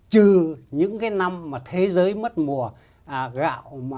trừ những cái năm mà thế giới mất mùa